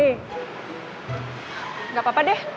nggak apa apa deh